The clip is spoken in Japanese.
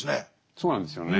そうなんですよね。